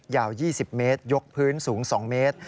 ยาว๒๐เมตรยกพื้นสูง๒เมตร